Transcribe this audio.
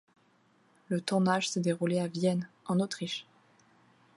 Le tournage s'est déroulé à Vienne, en Autriche.